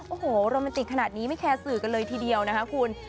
โอ้โหโรแมนติกขนาดนี้ไม่แคร์สื่อกันเลยทีเดียวนะคะคุณ